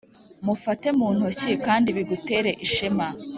mufate mu ntoki kandi bigutere ishema